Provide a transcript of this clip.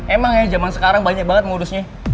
emang ya zaman sekarang banyak banget modusnya